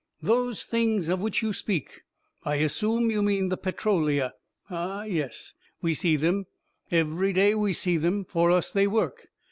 "Those Things of which you speak I assume you mean the Petrolia. Ah, yes, we see them. Every day, we see them. For us they work.